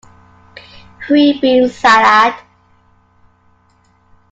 "Three Bean Salad"